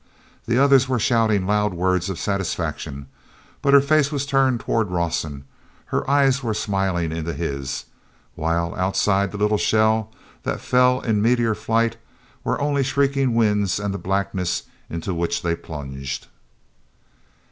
The others were shouting loud words of satisfaction, but her face was turned toward Rawson, her eyes were smiling into his; while, outside the little shell that fell in meteor flight, were only shrieking winds and the blackness into which they plunged.